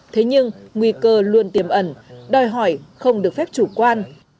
thế nhưng nguy cơ luôn tiềm ẩn đòi hỏi không được phép chủ quan